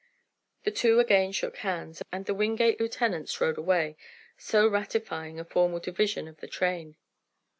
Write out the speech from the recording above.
The two again shook hands, and the Wingate lieutenants rode away, so ratifying a formal division of the train.